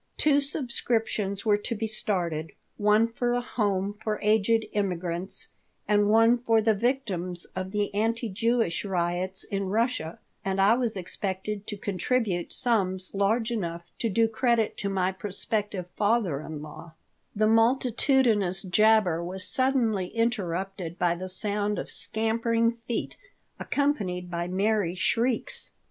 Two subscriptions were to be started one for a home for aged immigrants and one for the victims of the anti Jewish riots in Russia and I was expected to contribute sums large enough to do credit to my prospective father in law The multitudinous jabber was suddenly interrupted by the sound of scampering feet accompanied by merry shrieks.